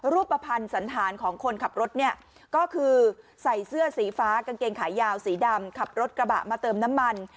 รูปภัณฑ์สันธารของคนขับรถเนี่ยก็คือใส่เสื้อสีฟ้ากางเกงขายาวสีดำขับรถกระบะมาเติมน้ำมัน